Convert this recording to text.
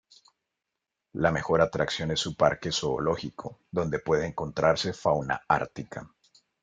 La mejor atracción es su parque zoológico, donde puede encontrarse fauna ártica.